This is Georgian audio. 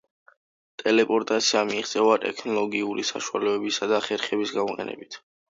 ტელეპორტაცია მიიღწევა ტექნოლოგიური საშუალებებისა და ხერხების გამოყენებით.